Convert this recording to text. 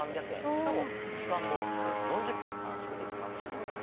しかも時間もおよそ４０分短縮できます。